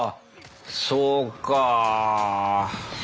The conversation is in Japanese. そうか。